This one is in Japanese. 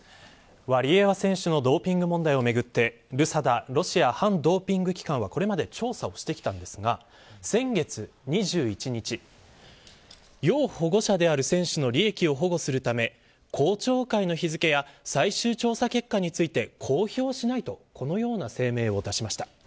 ワリエワ選手のドーピング問題をめぐってＲＵＳＡＤＡロシア反ドーピング機関はこの前調査をしてきたんですが先月２１日要保護者である選手の利益を保護するため公聴会の日付や最終調査結果について公表しないとこのような声明を出しました。